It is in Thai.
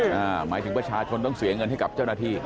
หมายถึงประชาชนต้องเสียเงินให้กับเจ้าหน้าที่